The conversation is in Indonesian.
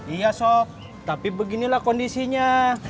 iya sok tapi beginilah kondisinya